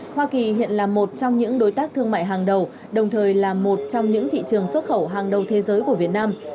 hoa kỳ hiện là một trong những đối tác thương mại hàng đầu đồng thời là một trong những thị trường xuất khẩu hàng đầu thế giới của việt nam